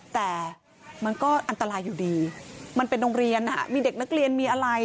แต่มันก็อันตรายอยู่ดีมันเป็นโรงเรียนมีเด็กนักเรียนมีอะไร